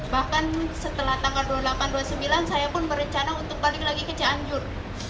bahkan setelah tanggal dua puluh delapan dua puluh sembilan saya pun berencana untuk balik lagi ke cianjur